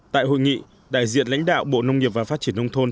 tại hội nghị đại diện lãnh đạo bộ nông nghiệp và phát triển nông thôn